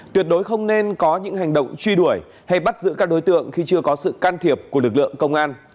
tuyệt đối không nên có những hành động truy đuổi hay bắt giữ các đối tượng khi chưa có sự can thiệp của lực lượng công an